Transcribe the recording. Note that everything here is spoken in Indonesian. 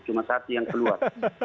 cuma satu yang keluar